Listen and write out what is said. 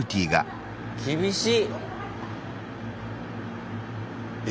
厳しい！え？